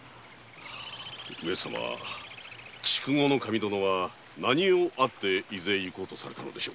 筑後守殿は何用あって伊豆へ行こうとされたのでしょうか？